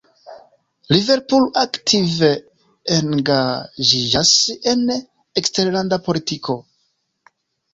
Liverpool aktive engaĝiĝas en eksterlanda politiko.